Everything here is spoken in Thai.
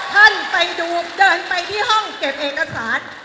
ท่านไปดูเดินไปที่ห้องเก็บเอกสาร